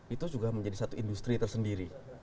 itu juga menjadi satu industri tersendiri